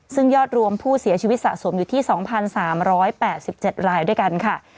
ซึ่งยอดรวมผู้เสียชีวิตสะสมอยู่ที่๒๓๘๗รายด้วยกันค่ะ